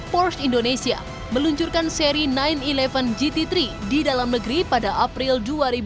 force indonesia meluncurkan seri sembilan sebelas gt tiga di dalam negeri pada april dua ribu dua puluh